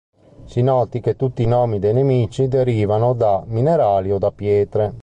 Si noti che tutti i nomi dei nemici derivano da minerali o da pietre.